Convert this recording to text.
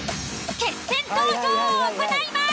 決選投票を行います！